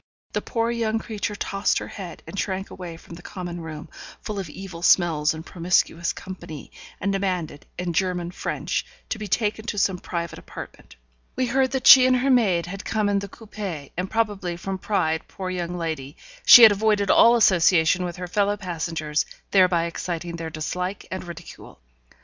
The poor young creature tossed her head, and shrank away from the common room, full of evil smells and promiscuous company, and demanded, in German French, to be taken to some private apartment. We heard that she and her maid had come in the coupé, and, probably from pride, poor young lady! she had avoided all association with her fellow passengers, thereby exciting their dislike and ridicule.